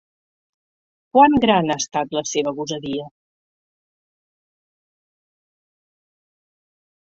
Quant gran ha estat la seva gosadia.